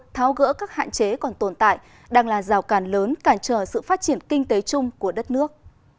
tháo gỡ các hạn chế còn tồn tại đang là rào cản lớn cản trở sự phát triển kinh tế chung của đất nước